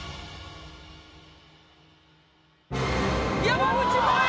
山口もえ！